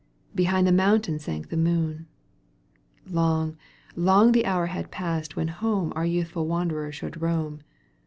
Behind the mountain sank the moon. Long, long the hour had past when home Our youthful wanderer should roam.